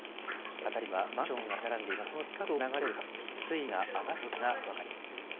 辺りにはマンションが建ち並んでいますがその近くを流れる川、水位が上がっている様子が分かります。